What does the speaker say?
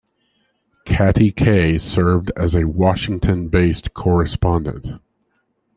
Katty Kay served as a Washington-based correspondent.